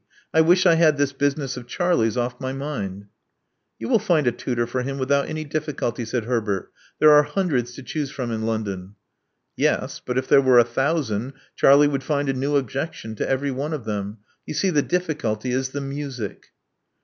I wish I had this business of Charlie's off my mind." You will find a tutor for him without any diffi ' culty," said Herbert. There are hundreds to choose from in London." Yes; but if there were a thousand, Charlie would find a new objection to every one of them. You see the diflSculty is the music."